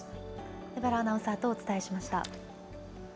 江原アナウンサーとお伝えしました。